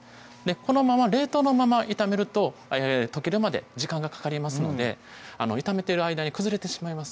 このまま冷凍のまま炒めると溶けるまで時間がかかりますので炒めてる間に崩れてしまいます